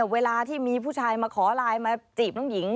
เวลาที่มีผู้ชายมาขอไลน์มาจีบน้องหญิง